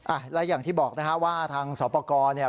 อ่ะและอย่างที่บอกนะฮะว่าทางสอบประกอบเนี่ย